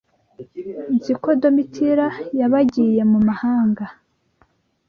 Nzi ko Domitira ybagiyemu mahanga.